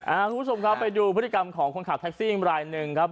คุณผู้ชมครับไปดูพฤติกรรมของคนขับแท็กซี่รายหนึ่งครับ